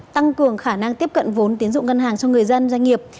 tăng cường khả năng tiếp cận vốn tiến dụng ngân hàng cho người dân doanh nghiệp